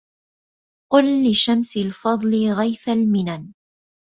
قل لشمس الفضل غيث المنن